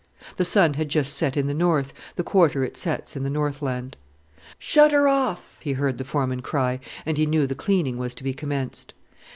The sun had just set in the north, the quarter it sets in the Northland. "Shut her off," he heard the foreman cry, and he knew the cleaning was to be commenced.